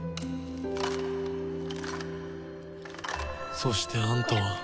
そしてあんたは。